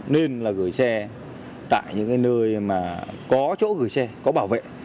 nên là gửi xe tại những nơi có chỗ gửi xe có bảo vệ